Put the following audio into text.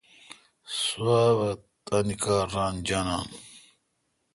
سواب تان کار ران جانہ۔